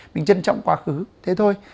mình trân trọng quá khứ thế thôi